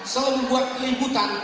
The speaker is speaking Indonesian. selalu membuat kelibutan